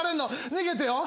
逃げてよ。